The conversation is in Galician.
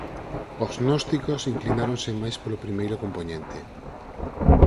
Os gnósticos inclináronse máis polo primeiro compoñente.